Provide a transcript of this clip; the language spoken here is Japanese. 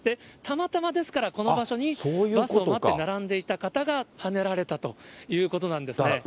たまたま、ですからこの場所に、バスを待って並んでいた方がはねられたということなんですね。